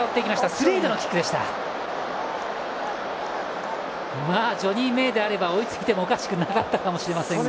スレイドのキックでした．ジョニー・メイであれば追いついてもおかしくなかったかもしれません。